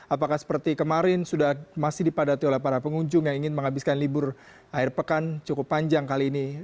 apakah seperti kemarin sudah masih dipadati oleh para pengunjung yang ingin menghabiskan libur air pekan cukup panjang kali ini